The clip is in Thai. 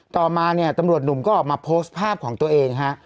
ต่อมาเนี่ยตำรวจหนุ่มก็ออกมาโพสต์ภาพของตัวเองฮะ